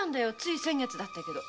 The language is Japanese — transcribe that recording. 先月だったけど。